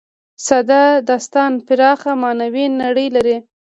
ساده داستان پراخه معنوي نړۍ لري.